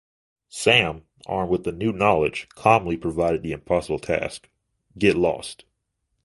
Sam, armed with his new knowledge, calmly provides the impossible task: Get lost.